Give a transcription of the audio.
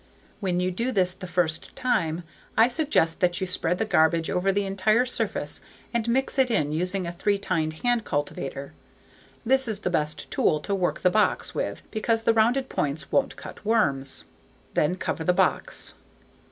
When you do this the first time, I suggest that you spread the garbage over the entire surface and mix it in using a three tined hand cultivator. This is the best tool to work the box with because the rounded points won't cut worms. Then cover the box.